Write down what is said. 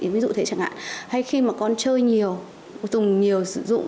ví dụ thế chẳng hạn hay khi mà con chơi nhiều tùng nhiều sử dụng